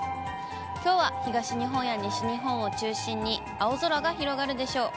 きょうは東日本や西日本を中心に、青空が広がるでしょう。